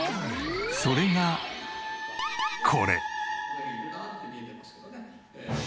それがこれ！